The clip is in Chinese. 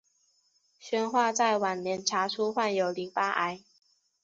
宣化在晚年查出患有淋巴癌。